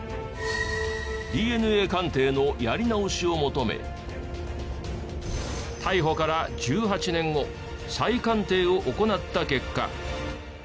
ＤＮＡ鑑定のやり直しを求め逮捕から１８年後再鑑定を行った結果。